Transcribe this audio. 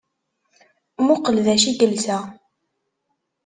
Mmuqqel d acu i yelsa!